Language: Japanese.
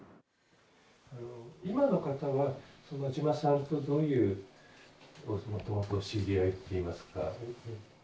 今の方は馬島さんとどういうもともとお知り合いっていいますか。